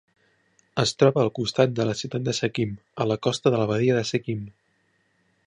Es troba al costat de la ciutat de Sequim, a la costa de la badia de Sequim.